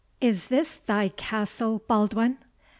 Is this thy castle, Baldwin?